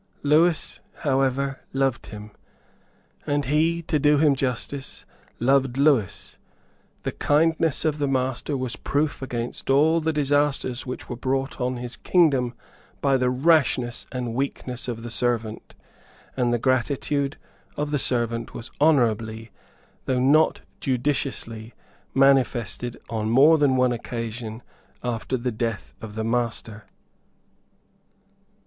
Lewis however loved him; and he, to do him justice, loved Lewis. The kindness of the master was proof against all the disasters which were brought on his kingdom by the rashness and weakness of the servant; and the gratitude of the servant was honourably, though not judiciously, manifested on more than one occasion after the death of the master.